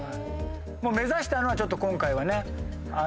目指したのはちょっと今回はね。